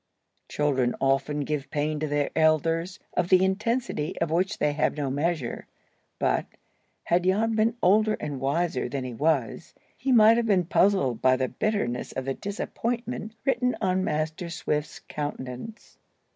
Children often give pain to their elders, of the intensity of which they have no measure; but, had Jan been older and wiser than he was, he might have been puzzled by the bitterness of the disappointment written on Master Swift's countenance.